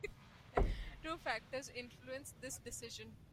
Two factors influenced this decision.